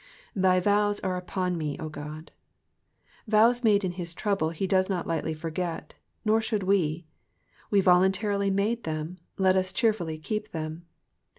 12. ^^Thy vows are upon me^ 0 God.''^ Vows made in his trouble he does not lightly forget, nor should we. We voluntarily made them, let us cheerfully keep them.